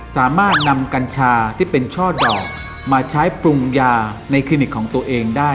สามารถนำกัญชาที่เป็นช่อดอกมาใช้ปรุงยาในคลินิกของตัวเองได้